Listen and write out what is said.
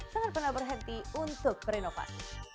sangat pernah berhenti untuk perinovasi